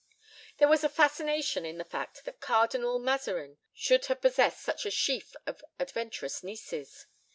There was a fascination in the fact that Cardinal Mazarin should have possessed such a sheaf of adventurous nieces.